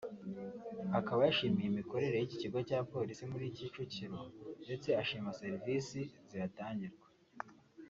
Akaba yashimiye imikorere y’iki kigo cya Polisi muri Kicukiro ndetse ashima serivisi zihatangirwa